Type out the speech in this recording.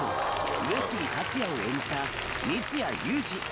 上杉達也を演じた三ツ矢雄二。